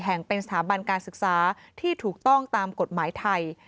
แห่งเป็นสถาบันการศึกษาที่ถูกต้องตามกฎหมายไทย